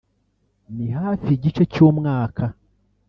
ni hafi igice cy’umwaka